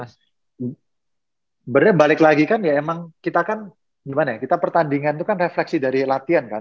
sebenarnya balik lagi kan ya emang kita kan pertandingan itu kan refleksi dari latihan kan